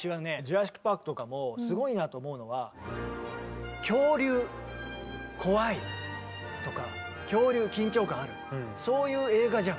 「ジュラシック・パーク」とかもすごいなと思うのは恐竜怖いとか恐竜緊張感あるそういう映画じゃん。